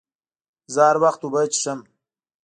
زه هر وخت اوبه څښم.